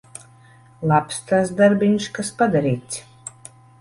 Labs tas darbiņš, kas padarīts.